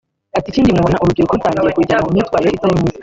Ati “Ikindi nimubona urubyiruko rutangiye kujya mu myitwarire itari myiza